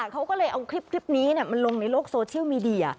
เขาก็เลยเอาคลิปนี้มาลงในโลกโซเชียลมีเดีย